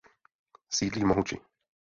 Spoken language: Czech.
Sídlí v Mohuči.